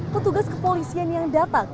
petugas kepolisian yang datang